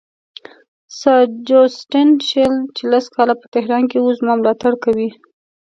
سر جوسټین شیل چې لس کاله په تهران کې وو زما ملاتړ کوي.